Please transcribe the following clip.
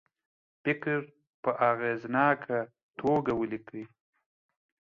فکر په اغیزناکه توګه ولیکي.